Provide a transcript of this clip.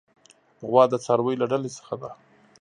غوا د څارویو له ډلې څخه ده.